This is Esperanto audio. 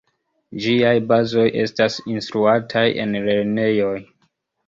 Ĝiaj bazoj estas instruataj en lernejoj.